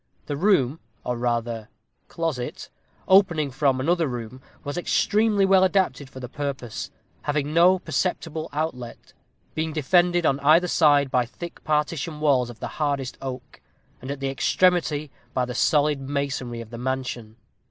The room, or rather closet, opening from another room, was extremely well adapted for the purpose, having no perceptible outlet; being defended, on either side, by thick partition walls of the hardest oak, and at the extremity by the solid masonry of the mansion.